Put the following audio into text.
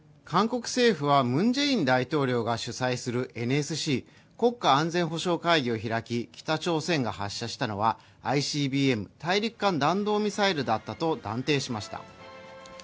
韓国政府はムン・ジェイン大統領が主催するＮＳＣ＝国家安全保障会議を開き北朝鮮が発射したのはＩＣＢＭ＝大陸間弾道ミサイルだったと断定しました。